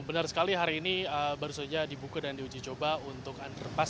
benar sekali hari ini baru saja dibuka dan diuji coba untuk underpass